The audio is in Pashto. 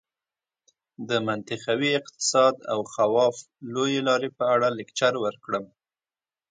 د منطقوي اقتصاد او خواف لویې لارې په اړه لکچر ورکړم.